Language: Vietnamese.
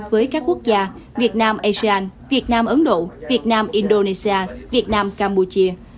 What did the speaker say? với các quốc gia việt nam asean việt nam ấn độ việt nam indonesia việt nam campuchia